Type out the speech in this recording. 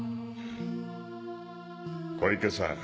小池さん